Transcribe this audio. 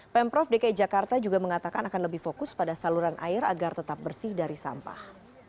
pemprov dki jakarta juga mengatakan akan lebih fokus pada saluran air agar tetap bersih dari sampah